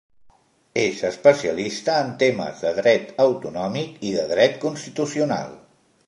És especialista en temes de dret autonòmic i de dret constitucional.